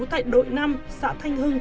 tại đội năm xã thanh hưng